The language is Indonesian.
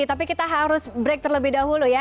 tapi kita harus break terlebih dahulu ya